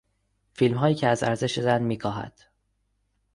فیلمهایی که از ارزش زن میکاهد.